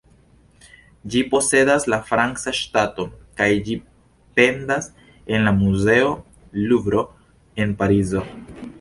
Ĝin posedas la franca ŝtato kaj ĝi pendas en la muzeo Luvro en Parizo.